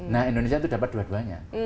nah indonesia itu dapat dua duanya